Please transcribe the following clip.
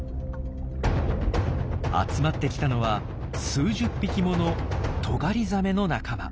集まってきたのは数十匹ものトガリザメの仲間。